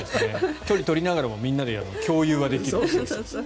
距離を取りながらもみんなで共有はできる。